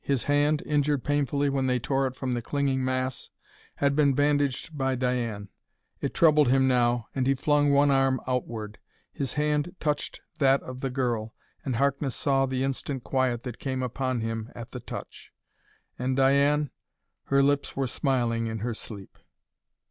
His hand, injured painfully when they tore it from the clinging mass, had been bandaged by Diane. It troubled him now, and he flung one arm outward. His hand touched that of the girl, and Harkness saw the instant quiet that came upon him at the touch. And Diane her lips were smiling in her sleep.